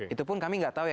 itu pun kami nggak tahu ya